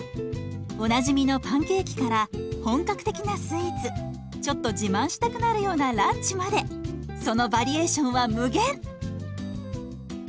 おなじみのパンケーキから本格的なスイーツちょっと自慢したくなるようなランチまでそのバリエーションは無限！